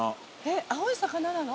青い魚なの？